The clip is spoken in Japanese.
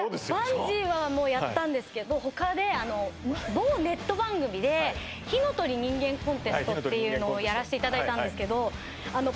バンジーはもうやったんですけど他であの某ネット番組でっていうのをやらせていただいたんですけどっていう